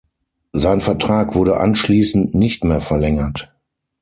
Sein Vertrag wurde anschließend nicht mehr verlängert.